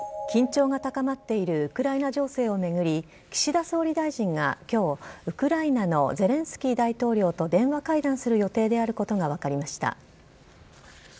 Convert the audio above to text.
緊張が高まっているウクライナ情勢を巡り、岸田総理大臣がきょう、ウクライナのゼレンスキー大統領と電話会談する予定であることが分かりました。